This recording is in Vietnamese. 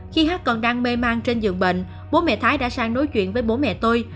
khi hắc còn đang mê mang trên giường bệnh bố mẹ thái đã sang nối chuyện với bố mẹ tôi